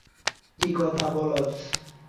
কী কথা বলছ।